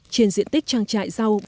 trên diện tích trang trại rau